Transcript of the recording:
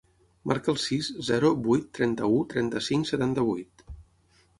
Marca el sis, zero, vuit, trenta-u, trenta-cinc, setanta-vuit.